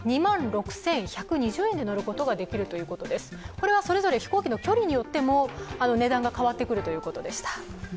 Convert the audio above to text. これはそれぞれ飛行機の距離によっても値段が変わってくるということでした。